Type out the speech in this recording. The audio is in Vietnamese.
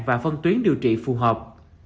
và phân tuyến điều trị phù hợp